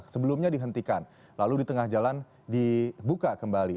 sebelumnya dihentikan lalu di tengah jalan dibuka kembali